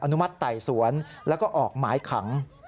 นุมัติไต่สวนแล้วก็ออกหมายขัง